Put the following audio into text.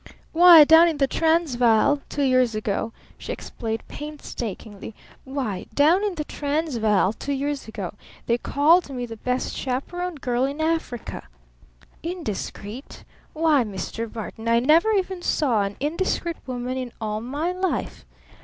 "Why, down in the Transvaal two years ago," she explained painstakingly, "why, down in the Transvaal two years ago they called me the best chaperoned girl in Africa. Indiscreet? Why, Mr. Barton, I never even saw an indiscreet woman in all my life.